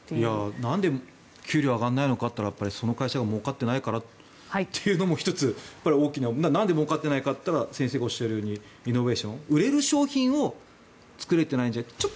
なんで給料が上がらないのかって言ったらその会社がもうかってないからというのも１つ、大きななんでもうかっていないかというと先生がおっしゃるようにイノベーション、売れる商品を作れてないんじゃないかと。